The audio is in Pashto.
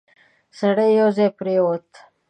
سړی یو ځای پرېووت.